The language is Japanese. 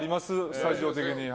スタジオ的に。